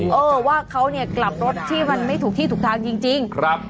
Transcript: เออว่าเขาเนี่ยกลับรถที่มันไม่ถูกที่ถูกทางจริงจริงครับ